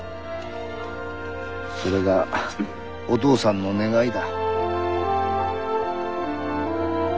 それがお父さんの願いだ。